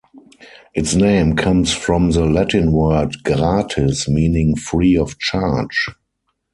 Its name comes from the Latin word "Gratis", meaning free of charge.